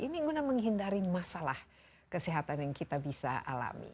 ini guna menghindari masalah kesehatan yang kita bisa alami